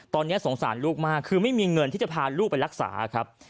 ตอนนี้สงสารลูกมากคือไม่มีเงินที่จะพาลูกไปรักษาครับ